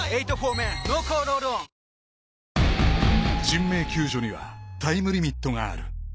［人命救助にはタイムリミットがある］